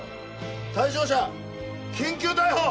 対象者緊急逮捕！